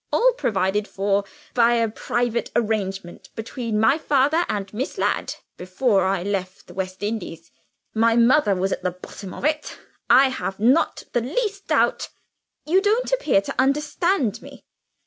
All provided for by a private arrangement between my father and Miss Ladd, before I left the West Indies. My mother was at the bottom of it, I have not the least doubt. You don't appear to understand me."